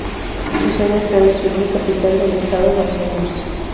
Su sede esta en la ciudad capital del estado, Barcelona.